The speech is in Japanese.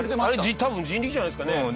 あれ多分人力じゃないですかね。